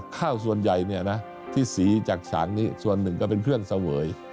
ข้าวส่วนใหญ่ที่สีจากฉางนี้ส่วนหนึ่งก็เป็นเครื่องเสวย